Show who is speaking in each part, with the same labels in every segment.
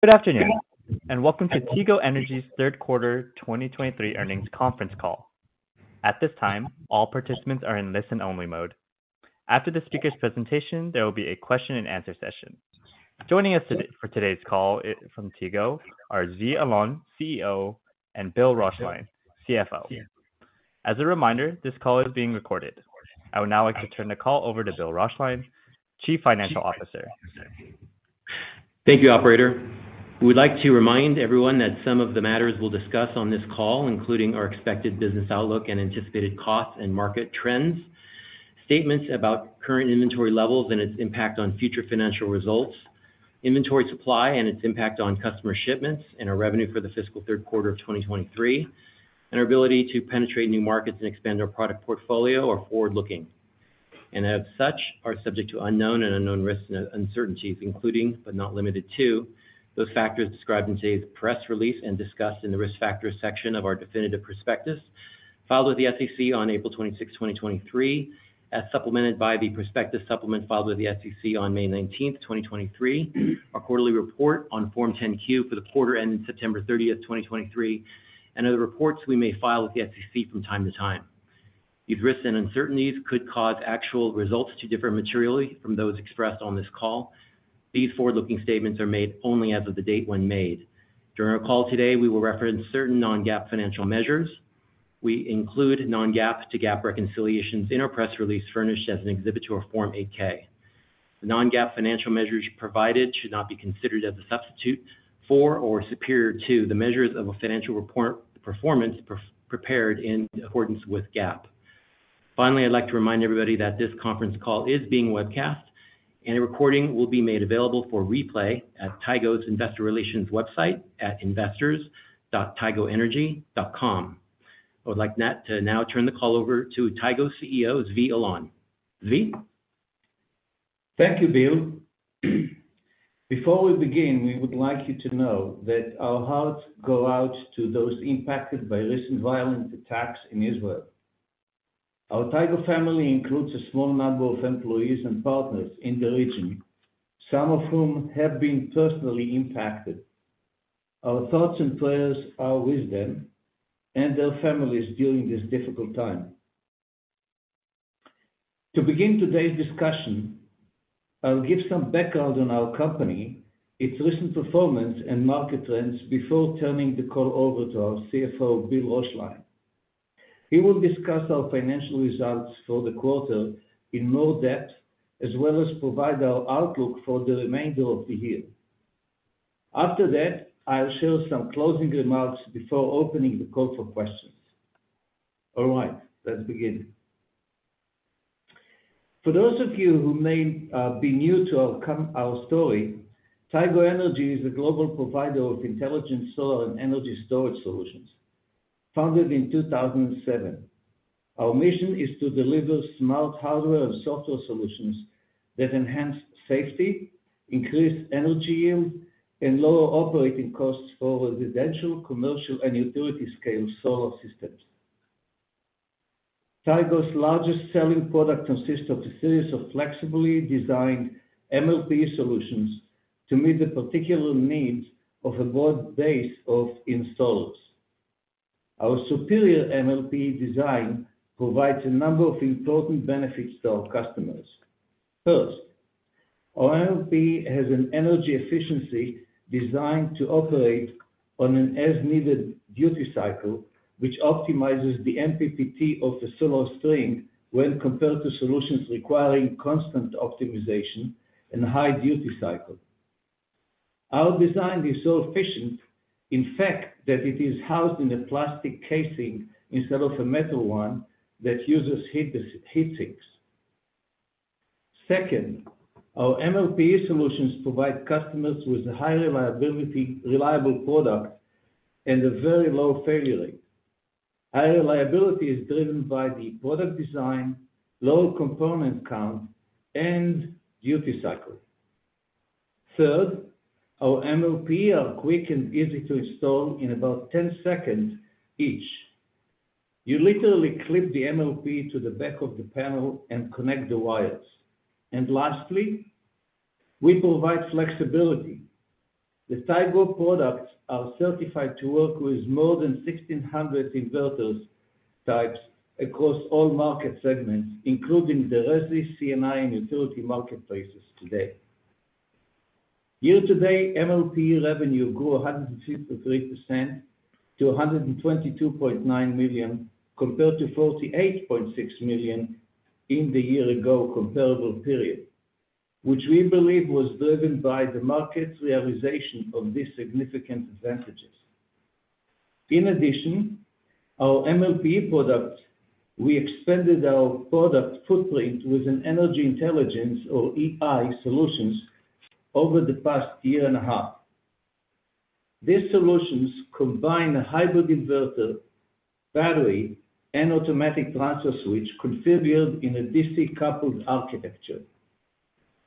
Speaker 1: Good afternoon, and welcome to Tigo Energy's third quarter 2023 earnings conference call. At this time, all participants are in listen-only mode. After the speaker's presentation, there will be a question and answer session. Joining us today for today's call, from Tigo are Zvi Alon, CEO, and Bill Roeschlein, CFO. As a reminder, this call is being recorded. I would now like to turn the call over to Bill Roeschlein, Chief Financial Officer.
Speaker 2: Thank you, operator. We'd like to remind everyone that some of the matters we'll discuss on this call, including our expected business outlook and anticipated costs and market trends, statements about current inventory levels and its impact on future financial results, inventory supply and its impact on customer shipments, and our revenue for the fiscal third quarter of 2023, and our ability to penetrate new markets and expand our product portfolio are forward-looking. And as such, are subject to unknown and unknown risks and uncertainties, including, but not limited to, those factors described in today's press release and discussed in the Risk Factors section of our definitive prospectus, filed with the SEC on April 26, 2023, as supplemented by the prospectus supplement filed with the SEC on May 19, 2023. Our quarterly report on Form 10-Q for the quarter ending September 30, 2023, and other reports we may file with the SEC from time to time. These risks and uncertainties could cause actual results to differ materially from those expressed on this call. These forward-looking statements are made only as of the date when made. During our call today, we will reference certain non-GAAP financial measures. We include non-GAAP to GAAP reconciliations in our press release, furnished as an exhibit to our Form 8-K. The non-GAAP financial measures provided should not be considered as a substitute for or superior to the measures of a financial report, performance prepared in accordance with GAAP. Finally, I'd like to remind everybody that this conference call is being webcast, and a recording will be made available for replay at Tigo's Investor Relations website at investors.tigoenergy.com. I would like now to turn the call over to Tigo CEO Zvi Alon. Zvi?
Speaker 3: Thank you, Bill. Before we begin, we would like you to know that our hearts go out to those impacted by recent violent attacks in Israel. Our Tigo family includes a small number of employees and partners in the region, some of whom have been personally impacted. Our thoughts and prayers are with them and their families during this difficult time. To begin today's discussion, I'll give some background on our company, its recent performance and market trends before turning the call over to our CFO, Bill Roeschlein. He will discuss our financial results for the quarter in more depth, as well as provide our outlook for the remainder of the year. After that, I'll share some closing remarks before opening the call for questions. All right, let's begin. For those of you who may be new to our story, Tigo Energy is a global provider of intelligent solar and energy storage solutions, founded in 2007. Our mission is to deliver smart hardware and software solutions that enhance safety, increase energy yield, and lower operating costs for residential, commercial, and utility-scale solar systems. Tigo's largest selling product consists of a series of flexibly designed MLPE solutions to meet the particular needs of a broad base of installers. Our superior MLPE design provides a number of important benefits to our customers. First, our MLPE has an energy efficiency designed to operate on an as-needed duty cycle, which optimizes the MPPT of the solar string when compared to solutions requiring constant optimization and high duty cycle. Our design is so efficient, in fact, that it is housed in a plastic casing instead of a metal one that uses heat sinks. Second, our MLPE solutions provide customers with a high reliability, reliable product and a very low failure rate. High reliability is driven by the product design, low component count, and duty cycle. Third, our MLPE are quick and easy to install in about 10 seconds each. You literally clip the MLPE to the back of the panel and connect the wires. And lastly, we provide flexibility. The Tigo products are certified to work with more than 1,600 inverter types across all market segments, including the resi, C&I, and utility marketplaces today. Year-to-date, MLPE revenue grew 163% to $122.9 million, compared to $48.6 million in the year ago comparable period, which we believe was driven by the market's realization of these significant advantages. In addition, our MLPE products, we expanded our product footprint with an Energy Intelligence or EI solutions over the past year and a half. These solutions combine a hybrid inverter, battery, and automatic transfer switch configured in a DC-coupled architecture.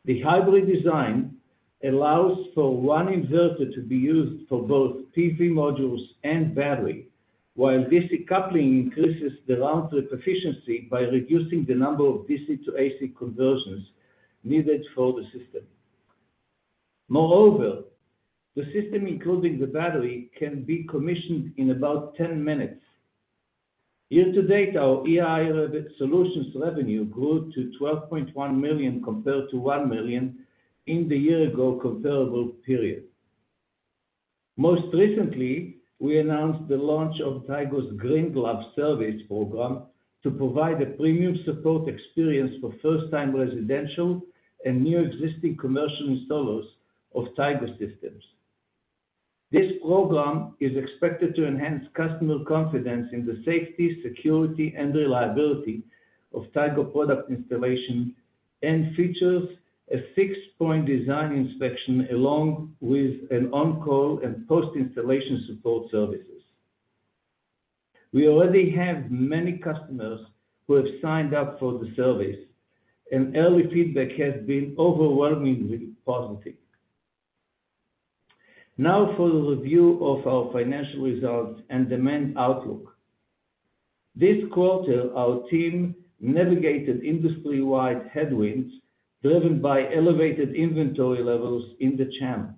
Speaker 3: The hybrid design allows for one inverter to be used for both PV modules and battery, while DC coupling increases the round-trip efficiency by reducing the number of DC to AC conversions needed for the system. Moreover, the system, including the battery, can be commissioned in about 10 minutes. Year-to-date, our EI solutions revenue grew to $12.1 million, compared to $1 million in the year-ago comparable period. Most recently, we announced the launch of Tigo's Green Glove service program to provide a premium support experience for first-time residential and new existing commercial installers of Tigo systems. This program is expected to enhance customer confidence in the safety, security, and reliability of Tigo product installation, and features a six-point design inspection, along with an on-call and post-installation support services. We already have many customers who have signed up for the service, and early feedback has been overwhelmingly positive. Now, for the review of our financial results and demand outlook. This quarter, our team navigated industry-wide headwinds, driven by elevated inventory levels in the channel.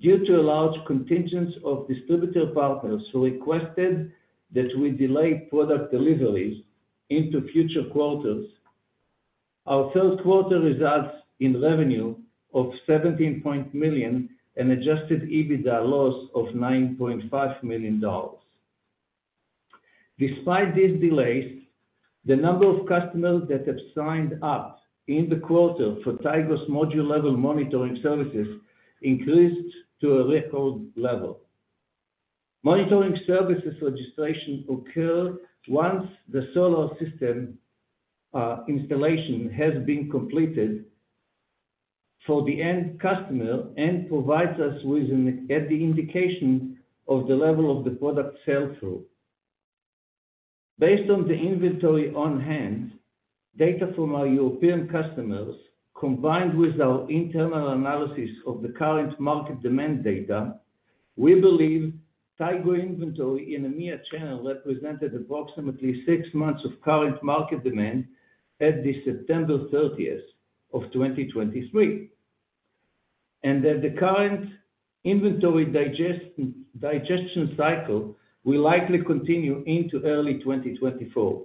Speaker 3: Due to a large contingent of distributor partners who requested that we delay product deliveries into future quarters, our third quarter results in revenue of $17 million and adjusted EBITDA loss of $9.5 million. Despite these delays, the number of customers that have signed up in the quarter for Tigo's module-level monitoring services increased to a record level. Monitoring services registration occur once the solar system, installation has been completed for the end customer and provides us with an early indication of the level of the product sell-through. Based on the inventory on hand, data from our European customers, combined with our internal analysis of the current market demand data, we believe Tigo inventory in EMEA channel represented approximately six months of current market demand at the September 30, 2023, and that the current inventory digestion cycle will likely continue into early 2024.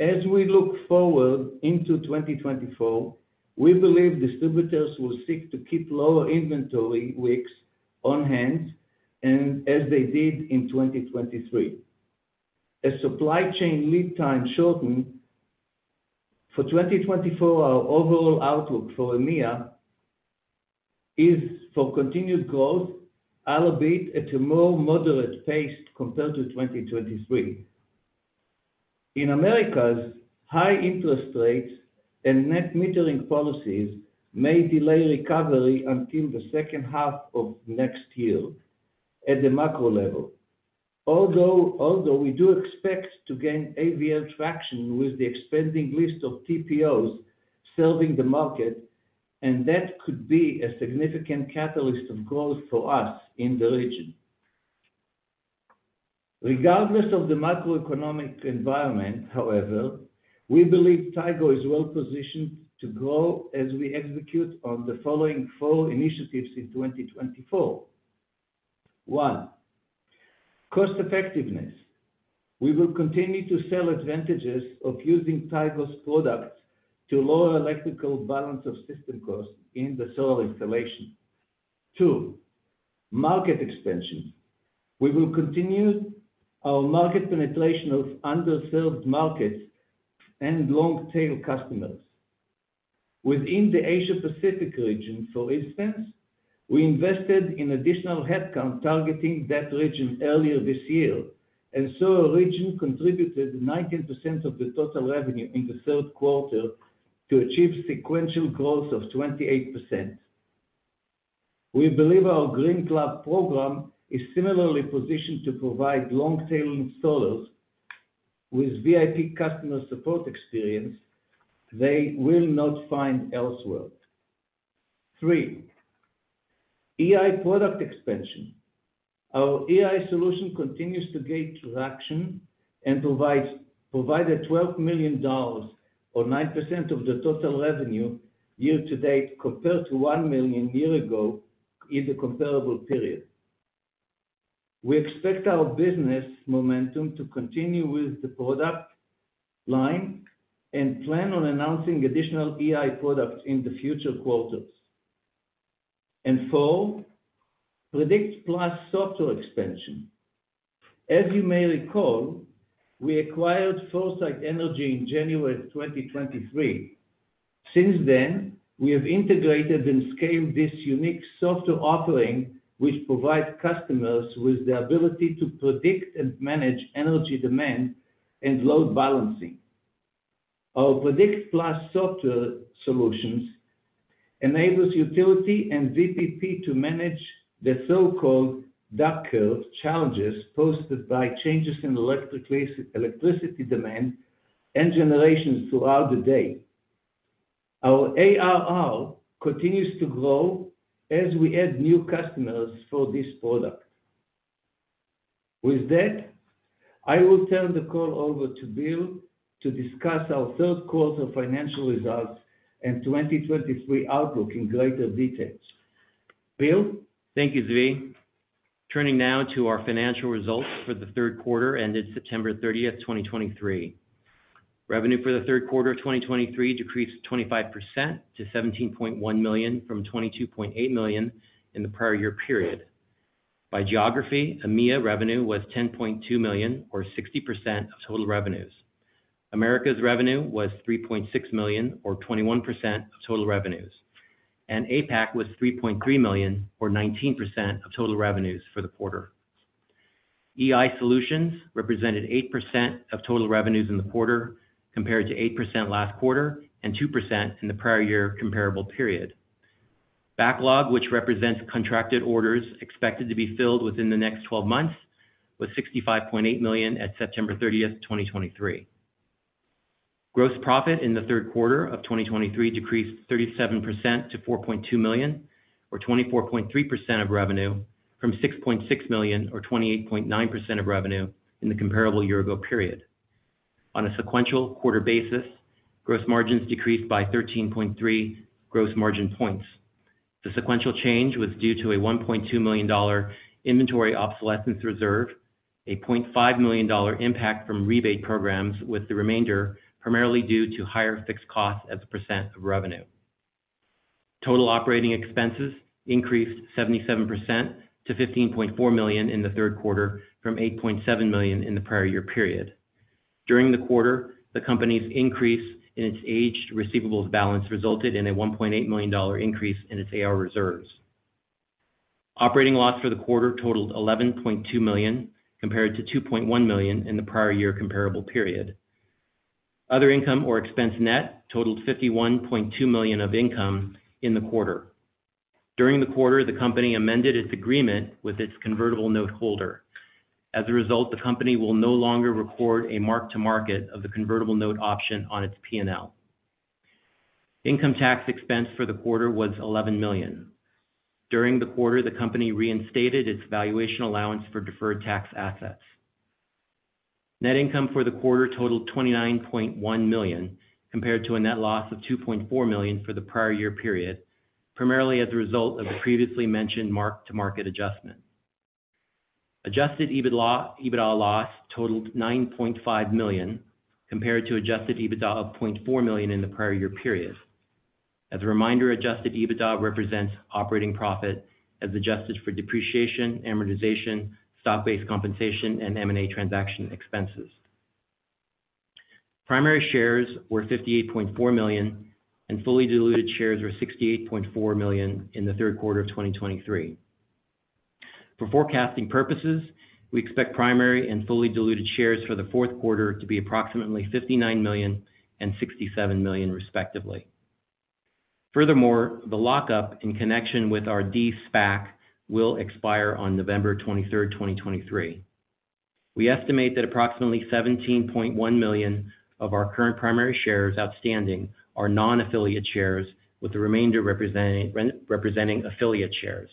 Speaker 3: As we look forward into 2024, we believe distributors will seek to keep lower inventory weeks on hand, and as they did in 2023. As supply chain lead time shorten, for 2024, our overall outlook for EMEA is for continued growth, albeit at a more moderate pace compared to 2023. In Americas, high interest rates and net metering policies may delay recovery until the second half of next year at the macro level. Although we do expect to gain AVL traction with the expanding list of TPOs serving the market, and that could be a significant catalyst of growth for us in the region. Regardless of the macroeconomic environment, however, we believe Tigo is well positioned to grow as we execute on the following four initiatives in 2024. One, cost effectiveness. We will continue to sell advantages of using Tigo's products to lower electrical balance of system costs in the solar installation. Two, market expansion. We will continue our market penetration of underserved markets and long-tail customers. Within the Asia Pacific region, for instance, we invested in additional headcount targeting that region earlier this year, and so the region contributed 19% of the total revenue in the third quarter to achieve sequential growth of 28%. We believe our Green Glove program is similarly positioned to provide long-tail installers with VIP customer support experience they will not find elsewhere. Three, EI product expansion. Our EI solution continues to gain traction and provided $12 million, or 9% of the total revenue year-to-date, compared to $1 million year ago in the comparable period. We expect our business momentum to continue with the product line and plan on announcing additional EI products in the future quarters. And four, Predict+ software expansion. As you may recall, we acquired Foresight Energy in January 2023. Since then, we have integrated and scaled this unique software offering, which provides customers with the ability to predict and manage energy demand and load balancing. Our Predict+ software solutions enables utility and VPP to manage the so-called duck curve challenges posed by changes in electricity demand and generation throughout the day. Our ARR continues to grow as we add new customers for this product. With that, I will turn the call over to Bill to discuss our third quarter financial results and 2023 outlook in greater detail. Bill?
Speaker 2: Thank you, Zvi. Turning now to our financial results for the third quarter ended September 30, 2023. Revenue for the third quarter of 2023 decreased 25% to $17.1 million from $22.8 million in the prior year period. By geography, EMEA revenue was $10.2 million, or 60% of total revenues. Americas revenue was $3.6 million, or 21% of total revenues, and APAC was $3.3 million, or 19% of total revenues for the quarter. EI Solutions represented 8% of total revenues in the quarter, compared to 8% last quarter and 2% in the prior year comparable period. Backlog, which represents contracted orders expected to be filled within the next twelve months, was $65.8 million at September 30, 2023. Gross profit in the third quarter of 2023 decreased 37% to $4.2 million, or 24.3% of revenue, from $6.6 million, or 28.9% of revenue in the comparable year ago period. On a sequential quarter basis, gross margins decreased by 13.3 gross margin points. The sequential change was due to a $1.2 million inventory obsolescence reserve, a $0.5 million impact from rebate programs, with the remainder primarily due to higher fixed costs as a % of revenue. Total operating expenses increased 77% to $15.4 million in the third quarter from $8.7 million in the prior year period. During the quarter, the company's increase in its aged receivables balance resulted in a $1.8 million increase in its AR reserves. Operating loss for the quarter totaled $11.2 million, compared to $2.1 million in the prior year comparable period. Other income or expense net totaled $51.2 million of income in the quarter. During the quarter, the company amended its agreement with its convertible note holder. As a result, the company will no longer record a mark-to-market of the convertible note option on its PNL. Income tax expense for the quarter was $11 million. During the quarter, the company reinstated its valuation allowance for deferred tax assets. Net income for the quarter totaled $29.1 million, compared to a net loss of $2.4 million for the prior year period, primarily as a result of the previously mentioned mark-to-market adjustment. Adjusted EBITDA loss totaled $9.5 million, compared to adjusted EBITDA of $0.4 million in the prior year period. As a reminder, Adjusted EBITDA represents operating profit as adjusted for depreciation, amortization, stock-based compensation, and M&A transaction expenses. Primary shares were 58.4 million, and fully diluted shares were 68.4 million in the third quarter of 2023. For forecasting purposes, we expect primary and fully diluted shares for the fourth quarter to be approximately 59 million and 67 million, respectively. Furthermore, the lockup in connection with our de-SPAC will expire on November 23, 2023. We estimate that approximately 17.1 million of our current primary shares outstanding are non-affiliate shares, with the remainder representing affiliate shares.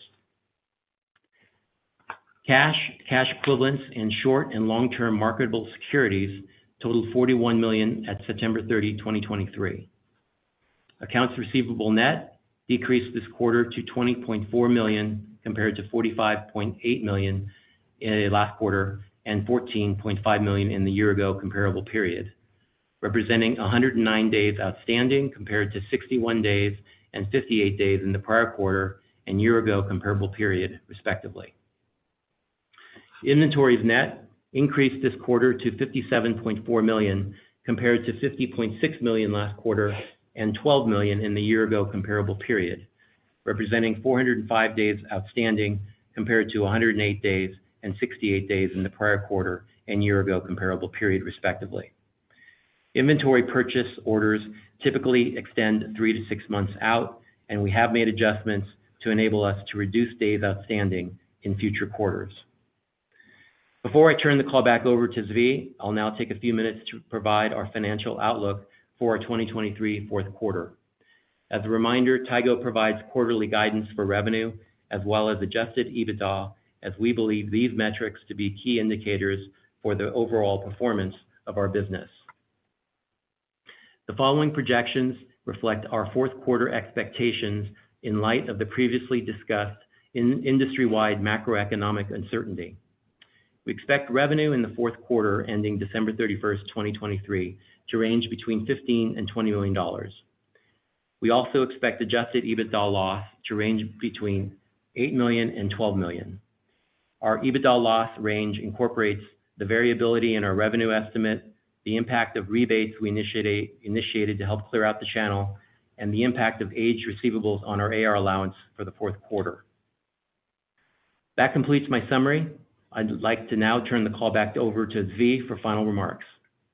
Speaker 2: Cash, cash equivalents, and short and long-term marketable securities totaled $41 million at September 30, 2023. Accounts receivable net decreased this quarter to $20.4 million, compared to $45.8 million in the last quarter and $14.5 million in the year ago comparable period, representing 109 days outstanding, compared to 61 days and 58 days in the prior quarter and year ago comparable period, respectively. Inventories net increased this quarter to $57.4 million, compared to $50.6 million last quarter and $12 million in the year ago comparable period, representing 405 days outstanding, compared to 108 days and 68 days in the prior quarter and year ago comparable period, respectively. Inventory purchase orders typically extend three-six months out, and we have made adjustments to enable us to reduce days outstanding in future quarters. Before I turn the call back over to Zvi, I'll now take a few minutes to provide our financial outlook for our 2023 fourth quarter. As a reminder, Tigo provides quarterly guidance for revenue as well as adjusted EBITDA, as we believe these metrics to be key indicators for the overall performance of our business. The following projections reflect our fourth quarter expectations in light of the previously discussed industry-wide macroeconomic uncertainty. We expect revenue in the fourth quarter, ending December 31, 2023, to range between $15 million and $20 million. We also expect adjusted EBITDA loss to range between $8 million and $12 million. Our EBITDA loss range incorporates the variability in our revenue estimate, the impact of rebates we initiated to help clear out the channel, and the impact of aged receivables on our AR allowance for the fourth quarter. That completes my summary. I'd like to now turn the call back over to Zvi for final remarks.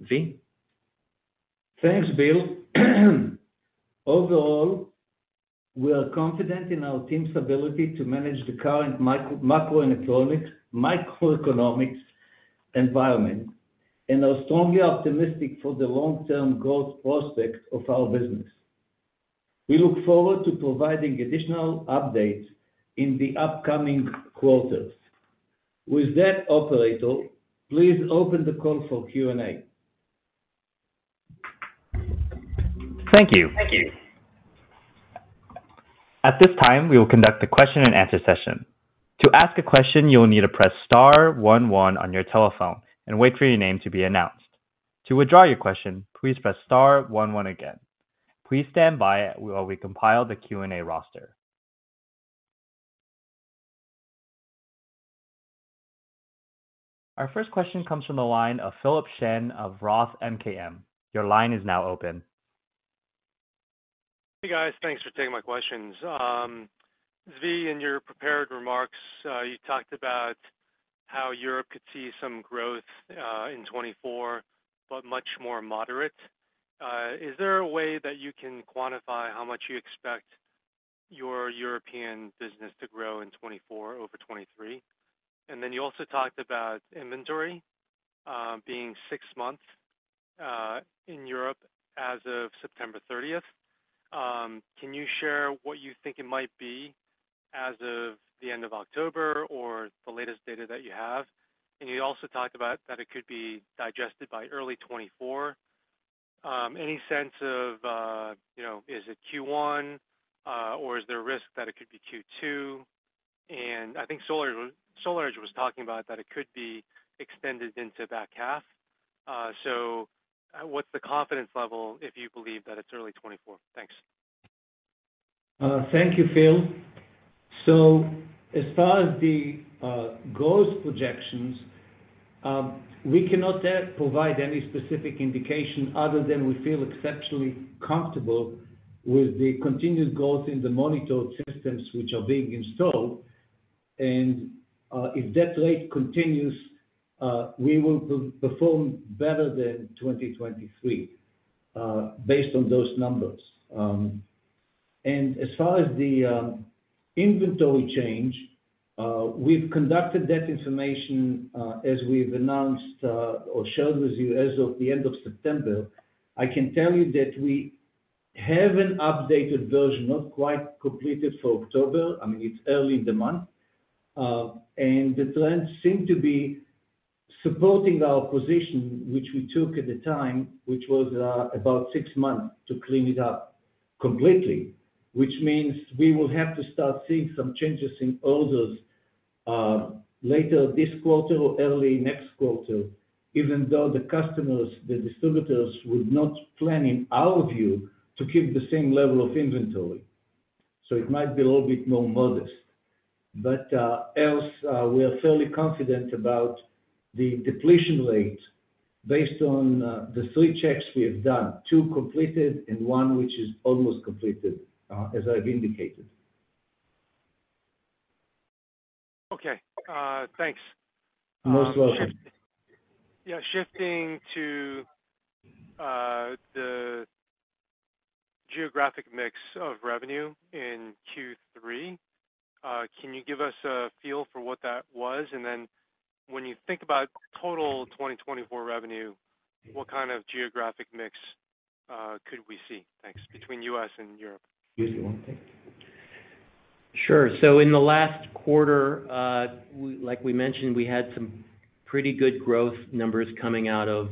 Speaker 2: Zvi?
Speaker 3: Thanks, Bill. Overall, we are confident in our team's ability to manage the current macroeconomic environment, and are strongly optimistic for the long-term growth prospects of our business. We look forward to providing additional updates in the upcoming quarters. With that, operator, please open the call for Q&A.
Speaker 1: Thank you. Thank you. At this time, we will conduct a question-and-answer session. To ask a question, you will need to press star one one on your telephone and wait for your name to be announced. To withdraw your question, please press star one one again. Please stand by while we compile the Q&A roster. Our first question comes from the line of Philip Shen of Roth MKM. Your line is now open.
Speaker 4: Hey, guys. Thanks for taking my questions. Zvi, in your prepared remarks, you talked about how Europe could see some growth in 2024, but much more moderate. Is there a way that you can quantify how much you expect your European business to grow in 2024 over 2023? And then you also talked about inventory being six months in Europe as of September 30. Can you share what you think it might be as of the end of October or the latest data that you have? And you also talked about that it could be digested by early 2024. Any sense of, you know, is it Q1 or is there a risk that it could be Q2? And I think SolarEdge was talking about that it could be extended into that half. So, what's the confidence level if you believe that it's early 2024? Thanks.
Speaker 3: Thank you, Phil. So as far as the growth projections, we cannot provide any specific indication other than we feel exceptionally comfortable with the continued growth in the monitored systems which are being installed. And if that rate continues, we will perform better than 2023, based on those numbers. And as far as the inventory change, we've conducted that information, as we've announced or shared with you as of the end of September. I can tell you that we have an updated version, not quite completed, for October. I mean, it's early in the month. and the trends seem to be supporting our position, which we took at the time, which was, about six months to clean it up completely, which means we will have to start seeing some changes in orders, later this quarter or early next quarter, even though the customers, the distributors, were not planning, our view, to keep the same level of inventory. So it might be a little bit more modest. But, else, we are fairly confident about the depletion rate based on, the three checks we have done, two completed and one which is almost completed, as I've indicated.
Speaker 4: Okay, thanks.
Speaker 3: Most welcome.
Speaker 4: Yeah. Shifting to the geographic mix of revenue in Q3, can you give us a feel for what that was? And then when you think about total 2024 revenue, what kind of geographic mix could we see? Thanks. Between U.S. and Europe.
Speaker 3: You want to take it?
Speaker 2: Sure. So in the last quarter, like we mentioned, we had some pretty good growth numbers coming out of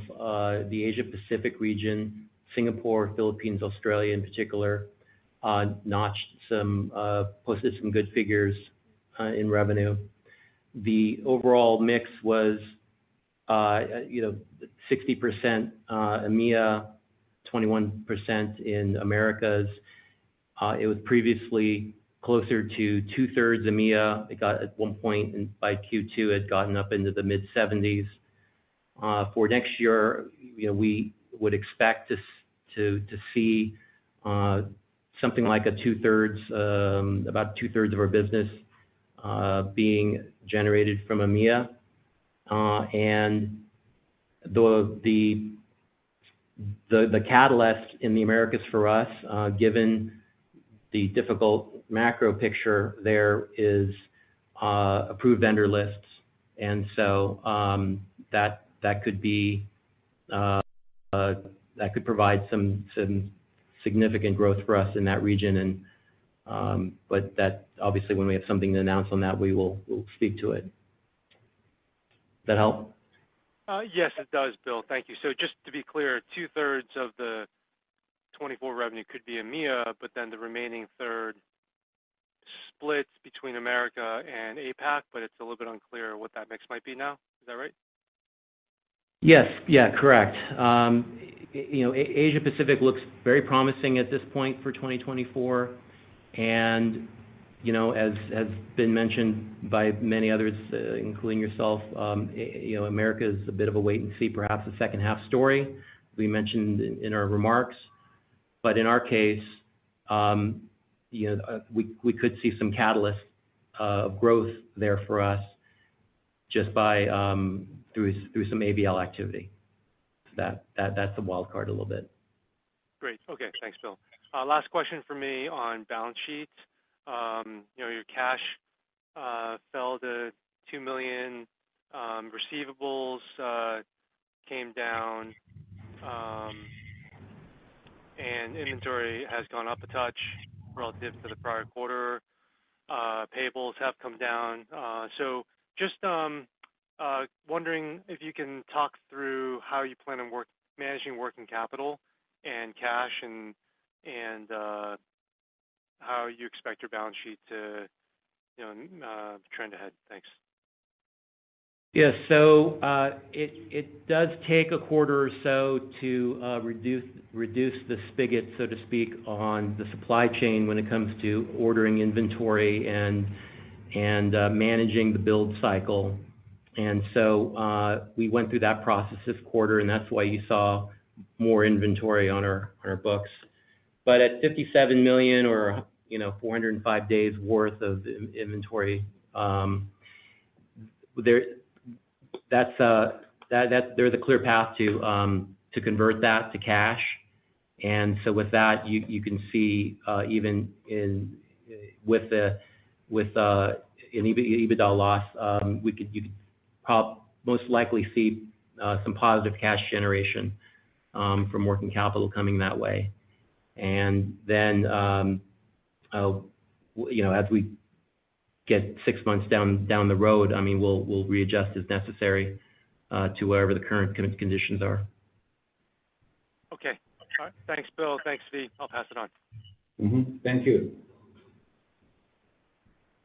Speaker 2: the Asia Pacific region. Singapore, Philippines, Australia, in particular, posted some good figures in revenue. The overall mix was, you know, 60% EMEA, 21% in Americas. It was previously closer to two-thirds EMEA. It got at one point, and by Q2, it had gotten up into the mid-70s. For next year, you know, we would expect to see something like a two-thirds, about two-thirds of our business being generated from EMEA. And the catalyst in the Americas for us, given the difficult macro picture there, is approved vendor lists. And so, that could provide some significant growth for us in that region and... But that, obviously, when we have something to announce on that, we will. We'll speak to it. That help?
Speaker 4: Yes, it does, Bill. Thank you. So just to be clear, two-thirds of the 2024 revenue could be EMEA, but then the remaining third splits between Americas and APAC, but it's a little bit unclear what that mix might be now. Is that right?
Speaker 2: Yes. Yeah, correct. You know, Asia Pacific looks very promising at this point for 2024. And, you know, as has been mentioned by many others, including yourself, you know, America is a bit of a wait-and-see, perhaps a second-half story. We mentioned in our remarks. But in our case, you know, we could see some catalyst of growth there for us just by through some ABL activity. That, that's the wild card a little bit.
Speaker 4: Great. Okay. Thanks, Bill. Last question for me on balance sheet. You know, your cash fell to $2 million, receivables came down, and inventory has gone up a touch relative to the prior quarter. Payables have come down. So just wondering if you can talk through how you plan on managing working capital and cash, and how you expect your balance sheet to, you know, trend ahead? Thanks.
Speaker 2: Yes. So, it does take a quarter or so to reduce the spigot, so to speak, on the supply chain when it comes to ordering inventory and managing the build cycle. And so, we went through that process this quarter, and that's why you saw more inventory on our books. But at $57 million or, you know, 405 days worth of inventory, that's a clear path to convert that to cash. And so with that, you can see, even with an EBITDA loss, you could probably most likely see some positive cash generation from working capital coming that way. And then, you know, as we get six months down the road, I mean, we'll readjust as necessary to wherever the current conditions are.
Speaker 4: Okay. All right. Thanks, Bill. Thanks, Zvi. I'll pass it on.
Speaker 3: Mm-hmm. Thank you.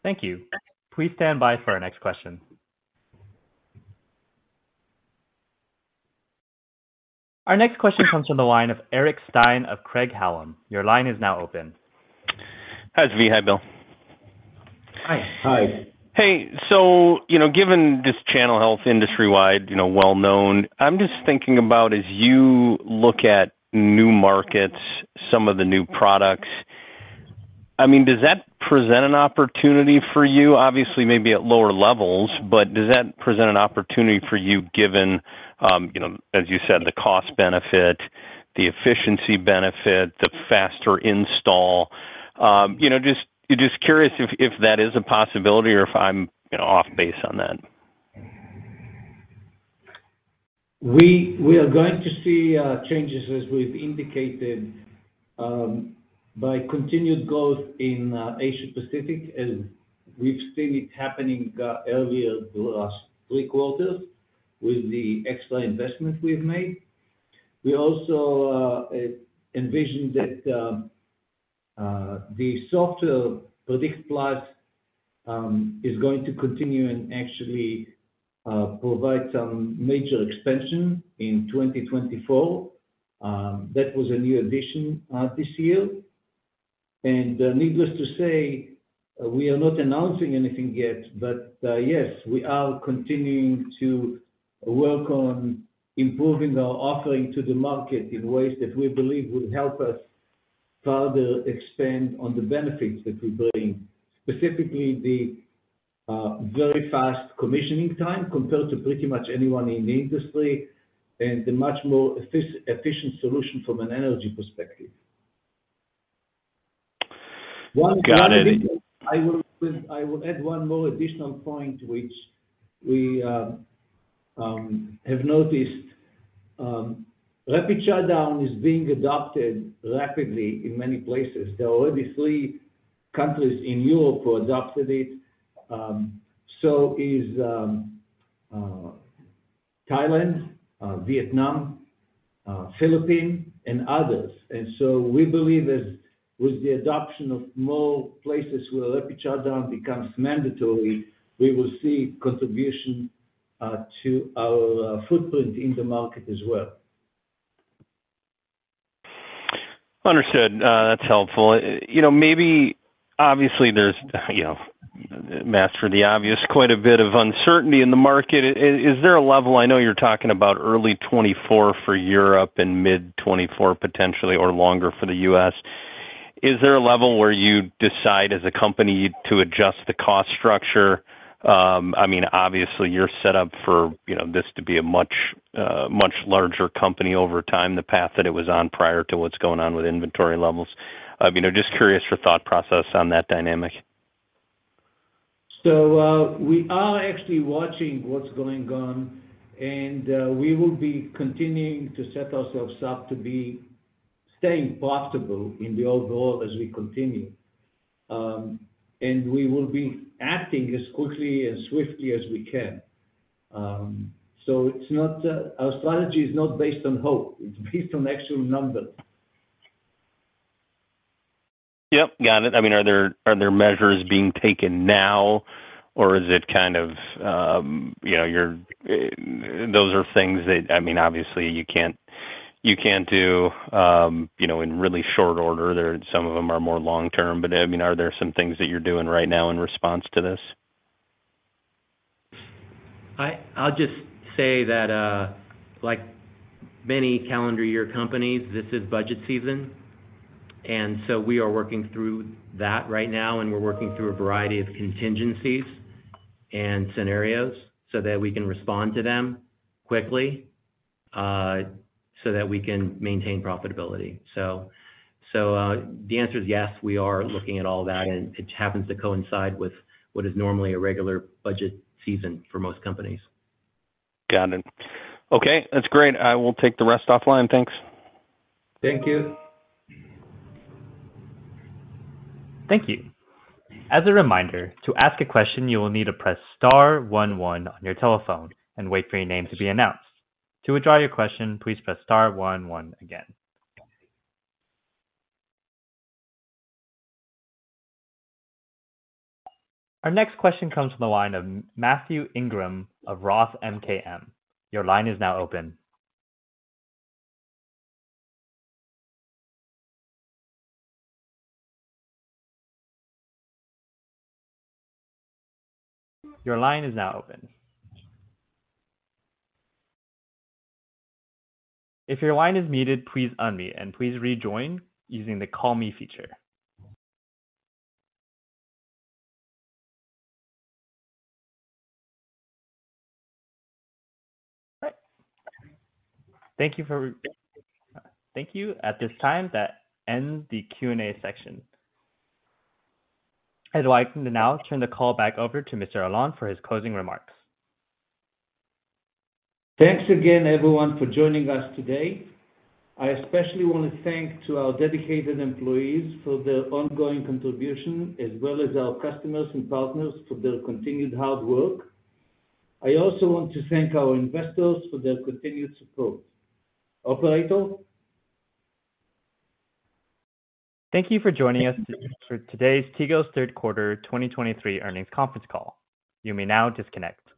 Speaker 1: Thank you. Please stand by for our next question. Our next question comes from the line of Eric Stine of Craig-Hallum. Your line is now open.
Speaker 5: Hi, Zvi. Hi, Bill.
Speaker 3: Hi.
Speaker 2: Hi.
Speaker 5: Hey, so, you know, given this channel health industry-wide, you know, well-known, I'm just thinking about as you look at new markets, some of the new products, I mean, does that present an opportunity for you? Obviously, maybe at lower levels, but does that present an opportunity for you given, you know, as you said, the cost benefit, the efficiency benefit, the faster install? You know, just, just curious if, if that is a possibility or if I'm, you know, off base on that.
Speaker 3: We are going to see changes, as we've indicated, by continued growth in Asia Pacific, and we've seen it happening earlier the last three quarters with the extra investment we've made. We also envision that the software, Predict+, is going to continue and actually provide some major expansion in 2024. That was a new addition this year. Needless to say, we are not announcing anything yet, but yes, we are continuing to work on improving our offering to the market in ways that we believe will help us further expand on the benefits that we bring, specifically the very fast commissioning time compared to pretty much anyone in the industry, and a much more efficient solution from an energy perspective.
Speaker 5: Got it.
Speaker 3: I will add one more additional point, which we have noticed. Rapid shutdown is being adopted rapidly in many places. There are already three countries in Europe who adopted it. So is Thailand, Vietnam, Philippines, and others. And so we believe that with the adoption of more places where rapid shutdown becomes mandatory, we will see contribution to our footprint in the market as well.
Speaker 5: Understood. That's helpful. You know, maybe obviously there's, you know, math for the obvious, quite a bit of uncertainty in the market. Is there a level... I know you're talking about early 2024 for Europe and mid-2024, potentially, or longer for the U.S. Is there a level where you decide, as a company, to adjust the cost structure? I mean, obviously you're set up for, you know, this to be a much, much larger company over time, the path that it was on prior to what's going on with inventory levels. I mean, I'm just curious for thought process on that dynamic.
Speaker 3: So, we are actually watching what's going on, and we will be continuing to set ourselves up to be staying profitable in the overall as we continue. And we will be acting as quickly and swiftly as we can. So it's not our strategy is not based on hope, it's based on actual numbers.
Speaker 5: Yep, got it. I mean, are there, are there measures being taken now, or is it kind of, you know, you're, those are things that, I mean, obviously, you can't, you can't do, you know, in really short order, there some of them are more long term. But, I mean, are there some things that you're doing right now in response to this?
Speaker 2: I'll just say that, like many calendar year companies, this is budget season. And so we are working through that right now, and we're working through a variety of contingencies and scenarios so that we can respond to them quickly, so that we can maintain profitability. So, so, the answer is yes, we are looking at all that, and it happens to coincide with what is normally a regular budget season for most companies.
Speaker 5: Got it. Okay, that's great. I will take the rest offline. Thanks.
Speaker 3: Thank you.
Speaker 1: Thank you. As a reminder, to ask a question, you will need to press star one one on your telephone and wait for your name to be announced. To withdraw your question, please press star one one again. Our next question comes from the line of Matthew Ingram of Roth MKM. Your line is now open. Your line is now open. If your line is muted, please unmute and please rejoin using the call me feature. Thank you for re- Thank you. At this time, that ends the Q&A section. I'd like to now turn the call back over to Mr. Alon for his closing remarks.
Speaker 3: Thanks again, everyone, for joining us today. I especially want to thank our dedicated employees for their ongoing contribution, as well as our customers and partners for their continued hard work. I also want to thank our investors for their continued support. Operator?
Speaker 1: Thank you for joining us for today's Tigo's third quarter 2023 earnings conference call. You may now disconnect.